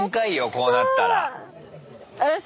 こうなったら。